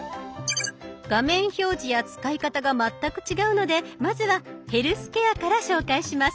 画面表示や使い方が全く違うのでまずは「ヘルスケア」から紹介します。